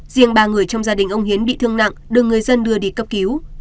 riêng ba người trong gia đình ông hiến bị thương nặng được người dân đưa đi cấp cứu